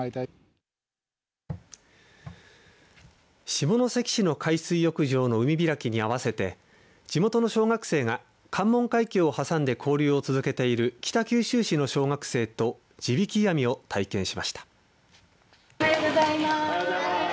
下関市の海水浴場の海開きに合わせて地元の小学生が関門海峡を挟んで交流を続けている北九州市の小学生と地引き網を体験しました。